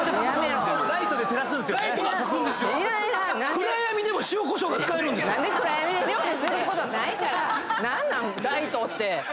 暗闇で料理することないから何なん？ライトって。